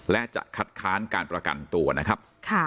และจะคัดค้านการประกันตัวนะครับ